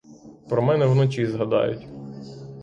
Про мене вночі згадають.